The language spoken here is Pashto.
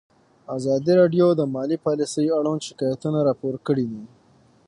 ازادي راډیو د مالي پالیسي اړوند شکایتونه راپور کړي.